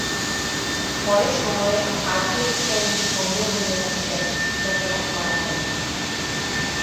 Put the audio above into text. পরে সময়ে আর্চওয়ে স্ক্যানিংয়ে সন্দেহ হলে তাঁকে ব্যাপক জিজ্ঞাসাবাদ করা হয়।